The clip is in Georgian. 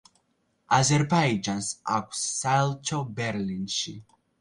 აზერბაიჯანს აქვს საელჩო ბერლინში.